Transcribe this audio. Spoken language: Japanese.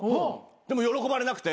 でも喜ばれなくて。